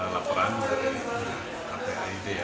laporan dari kpiid ya